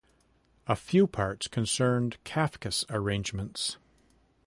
A few parts concerned Cafcass arrangements.